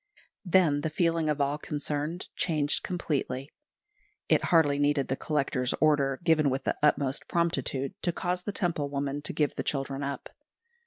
Then the feeling of all concerned changed completely. It hardly needed the Collector's order, given with the utmost promptitude, to cause the Temple woman to give the children up.